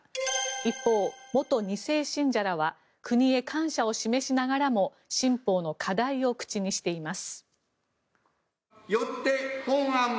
一方、元２世信者らは国へ感謝を示しながらも新法の課題を口にしています。